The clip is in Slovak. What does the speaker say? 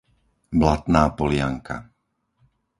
Blatná Polianka